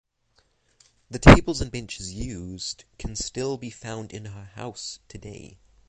The tables and benches used can still be found in her house today.